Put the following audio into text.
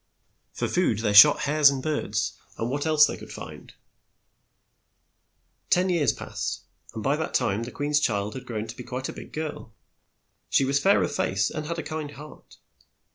For food they shot hares and birds and what else they could find. Ten years passed, and by that time the queen's child had grown to be quite a big girl. She was fair of face, and had a kind heart.